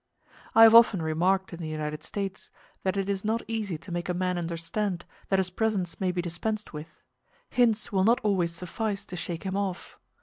I have often remarked in the United States that it is not easy to make a man understand that his presence may be dispensed with; hints will not always suffice to shake him off.